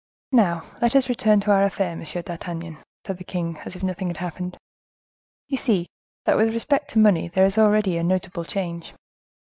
"Now, let us return to our affair, M. d'Artagnan," said the king, as if nothing had happened. "You see that, with respect to money, there is already a notable change."